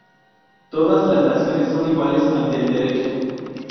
Todas las naciones son iguales ante el Derecho.